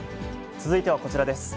続いてはこちらです。